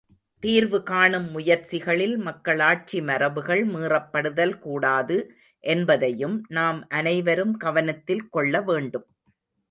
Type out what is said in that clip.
தீர்வு காணும் முயற்சிகளில் மக்களாட்சி மரபுகள் மீறப்படுதல் கூடாது என்பதையும் நாம் அனைவரும் கவனத்தில் கொள்ளவேண்டும்.